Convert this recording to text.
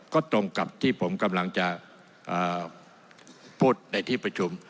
ก็ตรงกับที่ผมกำลังจะพูดในที่ประชุม